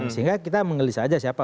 sehingga kita mengelis aja siapa